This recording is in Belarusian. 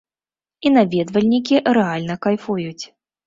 І наведвальнікі рэальна кайфуюць.